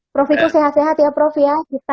prof wiku sehat sehat ya prof ya